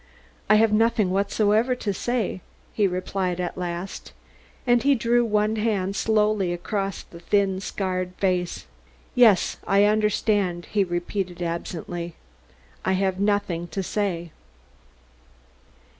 "I have nothing whatever to say," he replied at last, and he drew one hand slowly across his thin, scarred face. "Yes, I understand," he repeated absently. "I have nothing to say."